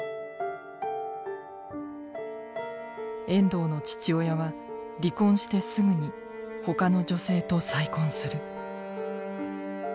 遠藤の父親は離婚してすぐに他の女性と再婚する。